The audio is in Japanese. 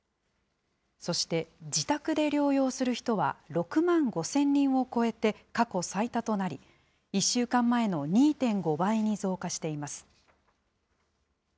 そして、自宅で療養する人は６万５０００人を超えて過去最多となり、１週間前の２．５倍に増加しています。